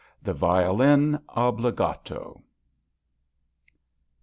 THE VIOLIN OBBLIGATO.